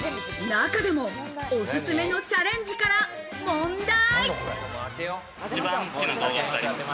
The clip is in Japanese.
中でも、オススメのチャレンジから問題。